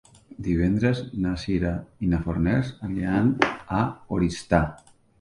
Divendres na Sira i na Farners aniran a Oristà.